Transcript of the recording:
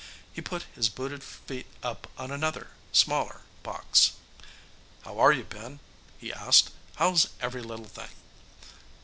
He put his booted feet up on another, smaller box. "How are you, Ben?" he asked. "How's every little thing?"